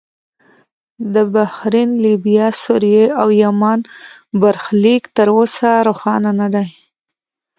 د بحرین، لیبیا، سوریې او یمن برخلیک تر اوسه روښانه نه دی.